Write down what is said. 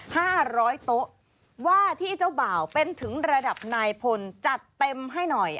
ห้าร้อยโต๊ะว่าที่เจ้าบ่าวเป็นถึงระดับนายพลจัดเต็มให้หน่อย